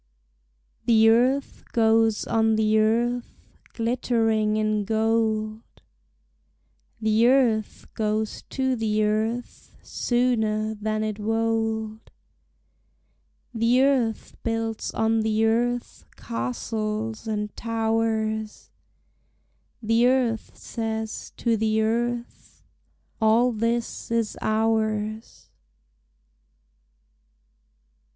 The earth goes on the earth glittering in gold, The earth goes to the earth sooner than it wold; The earth builds on the earth castles and towers, The earth says to the earth All this is ours.